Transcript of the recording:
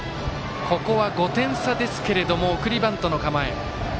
ここは５点差ですが送りバントの構え。